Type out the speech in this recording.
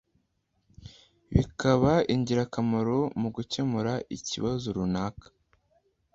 bikaba ingirakamaro mu gukemura ikibazo runaka